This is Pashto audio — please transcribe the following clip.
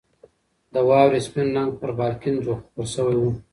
د واورې سپین رنګ پر بالکن خپور شوی و.